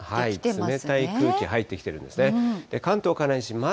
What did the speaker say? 冷たい空気入ってきてるんですね。